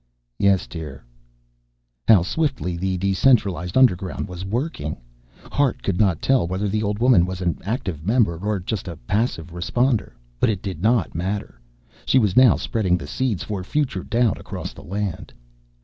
"Yes, dear." How swiftly the decentralized underground was working! Hart could not tell whether the old woman was an active member or just a passive responder, but it did not matter. She was now spreading the seeds for future doubt across the land.